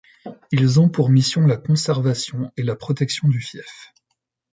Ils ont pour mission la conservation et la protection du fief.